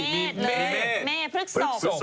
มีเมฆ